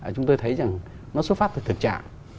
chúng tôi thấy rằng nó xuất phát từ thực trạng